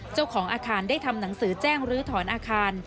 เจ้าของอาคารได้ทำหนังสือแจ้งลื้อถอนอาคาร